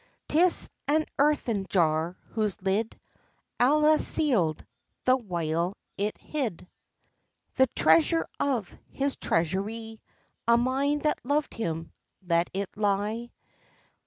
'T is an earthen jar, whose lid Allah sealed, the while it hid The treasure of his treasury, A mind that loved him; let it lie?